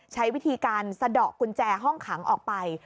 ใช้วิธีการสะดอกกุญแจห้องขังออกไป